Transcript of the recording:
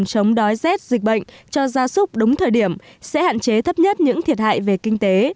chống đói rét dịch bệnh cho gia súc đúng thời điểm sẽ hạn chế thấp nhất những thiệt hại về kinh tế